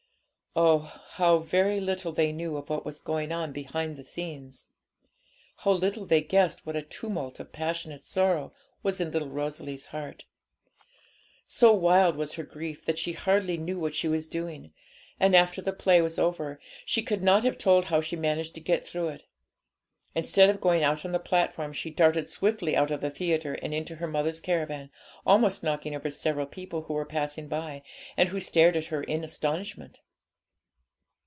Oh, how very little they knew of what was going on behind the scenes! how little they guessed what a tumult of passionate sorrow was in little Rosalie's heart! So wild was her grief, that she hardly knew what she was doing, and, after the play was over, she could not have told how she managed to get through it. Instead of going out on the platform, she darted swiftly out of the theatre and into her mother's caravan, almost knocking over several people who were passing by, and who stared at her in astonishment.